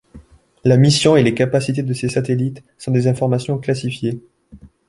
La mission et les capacités de ces satellites sont des informations classifiées.